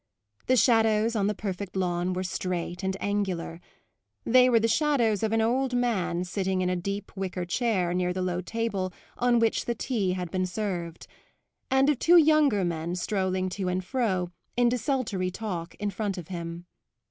The shadows on the perfect lawn were straight and angular; they were the shadows of an old man sitting in a deep wicker chair near the low table on which the tea had been served, and of two younger men strolling to and fro, in desultory talk, in front of him.